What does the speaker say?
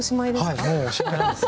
はいもうおしまいなんです。